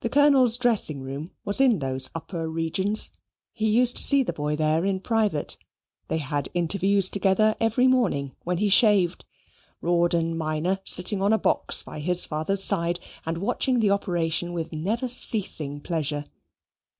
The Colonel's dressing room was in those upper regions. He used to see the boy there in private. They had interviews together every morning when he shaved; Rawdon minor sitting on a box by his father's side and watching the operation with never ceasing pleasure.